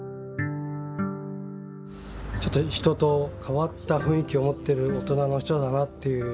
ちょっと人と変わった雰囲気を持ってる大人の人だなっていう。